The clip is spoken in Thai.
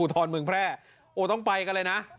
ตอนเมืองแพร่อ๊วก็ต้องไปกันเลยนะ